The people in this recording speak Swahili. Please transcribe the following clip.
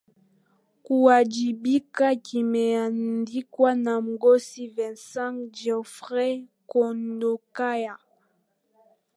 Kuwajibika kimeandikwa na Mgosi Vincent Geoffrey Nkondokaya